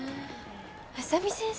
浅見先生